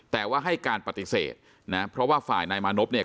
แต่ว่าให้การปฏิเสธนะเพราะว่าฝ่ายนายมานพเนี่ย